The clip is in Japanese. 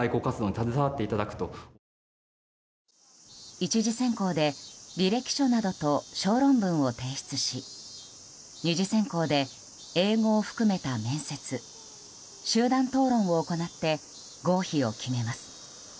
１次選考で履歴書などと小論文を提出し２次選考で英語を含めた面接集団討論を行って合否を決めます。